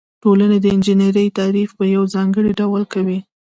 ټولنې د انجنیری تعریف په یو ځانګړي ډول کوي.